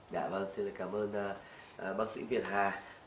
dạ vâng xin cảm ơn bác sĩ việt hà